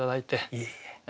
いえいえ。